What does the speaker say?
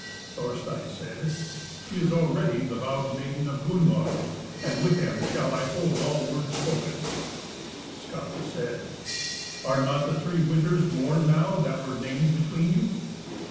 Thorstein said, "She is already the vowed maiden of Gunnlaug, and with him shall I hold all words spoken." Skapti said, "Are not the three winters worn now that were named between you?"